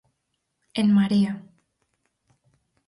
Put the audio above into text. En Marea.